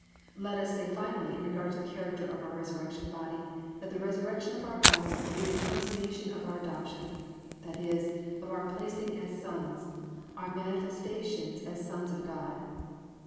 Let us say finally in regard to the character of our resurrection body, that the resurrection of our body will be the consummation of our adoption, i.e., of our placing as sons, our manifestations as sons of God.